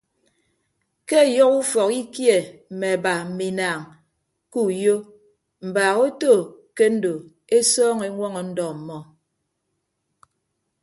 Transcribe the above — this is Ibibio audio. Ke ọyọhọ ufọk ikie mme aba mme inaañ ke uyo mbaak oto ke ndo esọọñọ eñwọñọ ndọ ọmmọ.